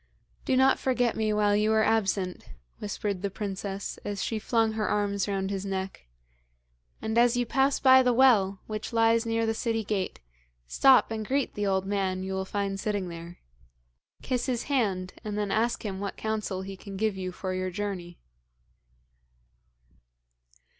'Do not forget me while you are absent,' whispered the princess as she flung her arms round his neck; 'and as you pass by the well which lies near the city gate, stop and greet the old man you will find sitting there. Kiss his hand, and then ask him what counsel he can give you for your journey.'